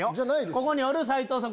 ここにおる斎藤さん。